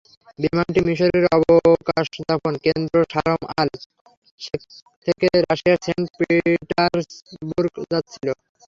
বিমানটি মিসরের অবকাশযাপন কেন্দ্র শারম-আল শেখ থেকে রাশিয়ার সেন্ট পিটার্সবুর্গ যাচ্ছিল।